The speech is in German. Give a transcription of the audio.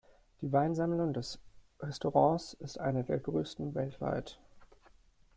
Die Weinsammlung des Restaurants ist eine der größten weltweit.